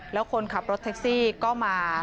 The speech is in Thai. แล้วคนขับรถแท็กซี่ก็มา